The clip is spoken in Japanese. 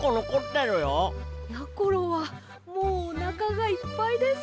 ころはもうおなかがいっぱいです。